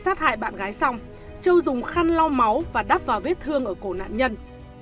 sau khi sát hại bạn gái xong châu dùng khăn lo máu và đắp vào vết thương ở cổ nạn nhân